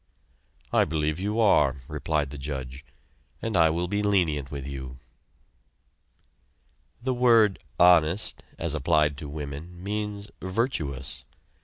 "I believe you are," replied the judge, "and I will be lenient with you." The word "honest" as applied to women means "virtuous."